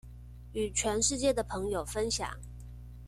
與全世界的朋友分享